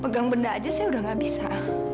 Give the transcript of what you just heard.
pegang benda aja saya udah gak bisa